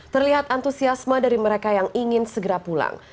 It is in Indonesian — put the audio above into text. terlihat antusiasme dari mereka yang ingin segera pulang